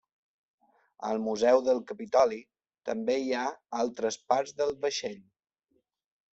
Al Museu del Capitoli també hi ha altres parts del vaixell.